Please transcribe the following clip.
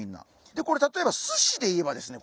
でこれ例えばすしで言えばですね